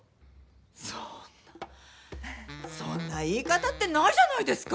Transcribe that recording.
そんなそんな言い方ってないじゃないですか。